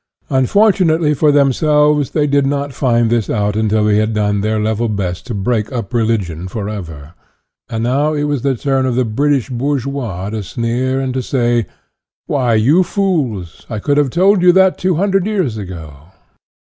Un fortunately for themselves, they did not find this out until they had done their level best to break up religion for ever. And now it was the turn of the British bourgeois to sneer and to say: " Why, you fools, I could have told you that two hundred years ago!"